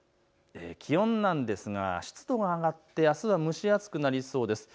気温なんですが湿度が上がってあすは蒸し暑くなりそうです。